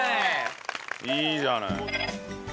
いいじゃない。